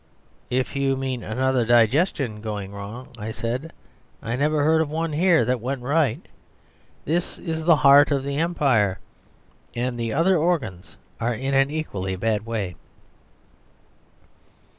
"If you mean another digestion gone wrong," I said, "I never heard of one here that went right. This is the heart of the Empire, and the other organs are in an equally bad way."